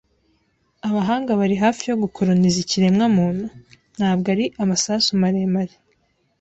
"Abahanga bari hafi yo gukoroniza ikiremwa muntu?" "Ntabwo ari amasasu maremare."